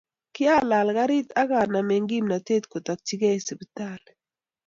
Kiilal garit akonam eng kimnatet kotokchikei sipitali